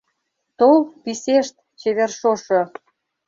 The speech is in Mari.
Тол, писешт, чевер шошо!